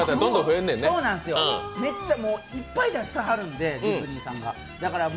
めっちゃいっぱい出してはるんで、ディズニーさんが。